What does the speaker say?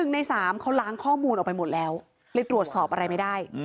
ใน๓เขาล้างข้อมูลออกไปหมดแล้วเลยตรวจสอบอะไรไม่ได้